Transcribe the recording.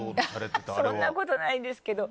そんなことないですけど。